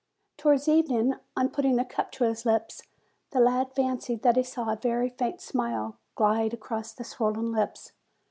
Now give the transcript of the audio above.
Towards evening, on putting the cup to his lips, the lad fancied that he saw a very faint smile glide across the swollen lips.